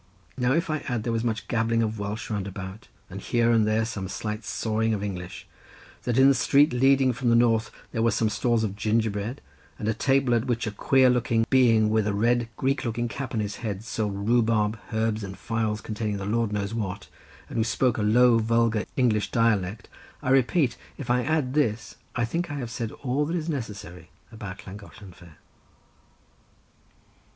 Now if I add there was much gabbling of Welsh round about, and here and there some slight sawing of English—that in the street leading from the north there were some stalls of gingerbread and a table at which a queer looking being with a red Greek looking cap on his head, sold rhubarb, herbs, and phials containing the Lord knows what, and who spoke a low vulgar English dialect,—I repeat, if I add this, I think I have said all that is necessary about Llangollen Fair.